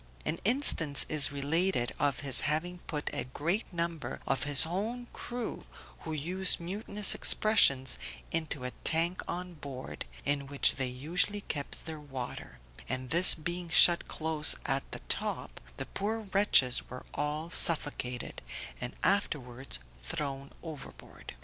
An instance is related of his having put a great number of his own crew, who used mutinous expressions, into a tank on board, in which they usually kept their water, and this being shut close at the top, the poor wretches were all suffocated, and afterwards thrown overboard.